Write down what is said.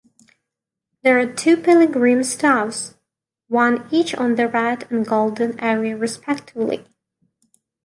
There are two pilgrim staffs, one each on the red and golden area respectively.